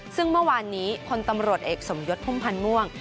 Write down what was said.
ซึ่งเมื่อวานนี้พลตำรวจเอกสมยศพุ่มพันธ์ม่วง